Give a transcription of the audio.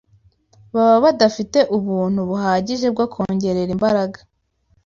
baba badafite ubuntu buhagije bwo kongerera imbaraga,